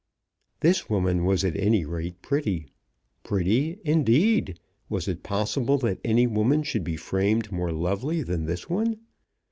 This woman was at any rate pretty. Pretty, indeed! Was it possible that any woman should be framed more lovely than this one?